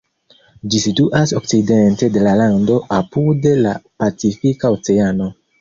Ĝi situas okcidente de la lando, apud la Pacifika Oceano.